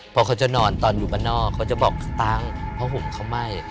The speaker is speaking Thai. เพราะเขาจะนอนตอนอยู่บ้านนอกเขาจะบอกสตังค์เพราะห่มเขาไหม้